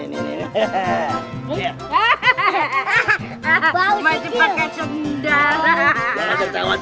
lagi pakai hendara selesai horns